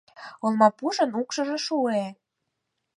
Олмапужын укшыжо шуэ